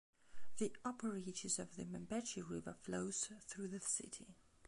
The upper reaches of the Mabechi River flows through the city.